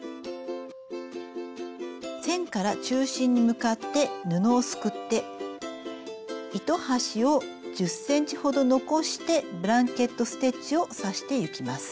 線から中心に向かって布をすくって糸端を１０ｃｍほど残してブランケット・ステッチを刺していきます。